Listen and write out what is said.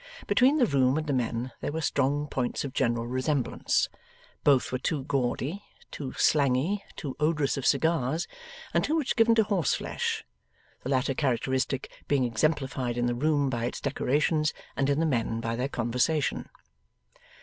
Between the room and the men there were strong points of general resemblance. Both were too gaudy, too slangey, too odorous of cigars, and too much given to horseflesh; the latter characteristic being exemplified in the room by its decorations, and in the men by their conversation.